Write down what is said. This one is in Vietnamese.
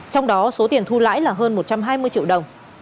trong đó số tiền thu lãi là hơn một trăm hai mươi triệu đồng